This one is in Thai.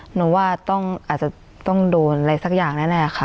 หนูว่าอาจจะต้องโดนอะไรสักอย่างแน่ค่ะ